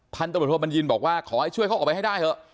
ตำรวจโทบัญญินบอกว่าขอให้ช่วยเขาออกไปให้ได้เถอะ